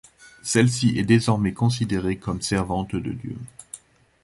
Celle-ci est désormais considérée comme servante de Dieu.